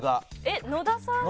えっ野田さん。